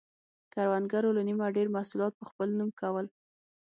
کروندګرو له نییمه ډېر محصولات په خپل نوم کول.